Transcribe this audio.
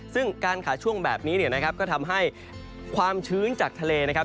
ซึ่งการขาดช่วงแบบนี้ก็ทำให้ความชื้นจากทะเลนะครับ